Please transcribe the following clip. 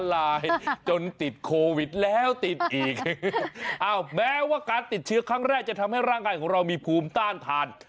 ติดโควิดแล้วติดอีกแม้ว่าการติดเชื้อครั้งแรกจะทำให้ร่างกายของเรามีภูมิต้านทาน